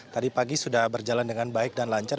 tadi pagi sudah berjalan dengan baik dan lancar